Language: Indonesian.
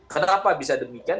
kenapa bisa demikian